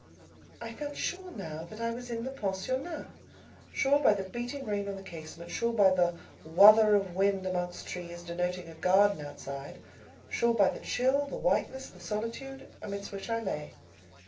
I felt sure now that I was in the pensionnat—sure by the beating rain on the casement; sure by the "wuther" of wind amongst trees, denoting a garden outside; sure by the chill, the whiteness, the solitude, amidst which I lay.